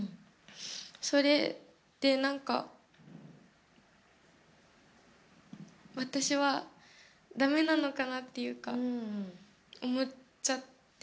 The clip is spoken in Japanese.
それで、なんか私は、だめなのかなっていうか思っちゃって。